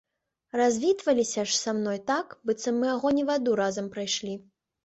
Развітваліся ж са мной так, быццам мы агонь і ваду разам прайшлі.